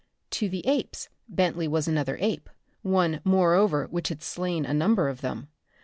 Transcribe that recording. To the apes Bentley was another ape, one moreover which had slain a number of them.